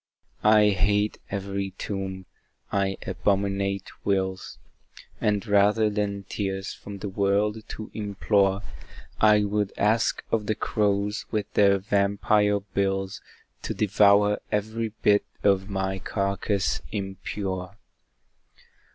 I hate every tomb I abominate wills, And rather than tears from the world to implore, I would ask of the crows with their vampire bills To devour every bit of my carcass impure.